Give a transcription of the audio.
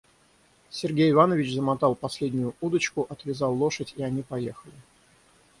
Сергей Иванович замотал последнюю удочку, отвязал лошадь, и они поехали.